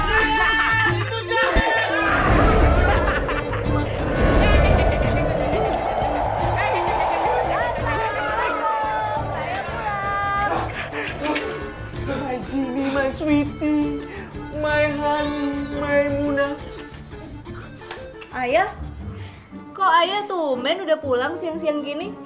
ayah kok aja tuh men udah pulang siang siang gini